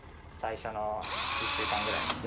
最初の１週間くらい。